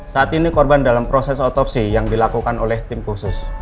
saat ini korban dalam proses otopsi yang dilakukan oleh tim khusus